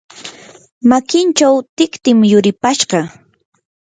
makinchaw tiktim yuripashqa.